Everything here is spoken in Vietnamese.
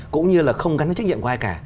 cũng như là không gắn với trách nhiệm của ai cả